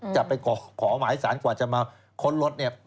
จะไปขอหมายสารกว่าจะมาค้นรถเนี่ย